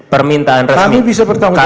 permintaan resmi kami bisa bertanggung jawab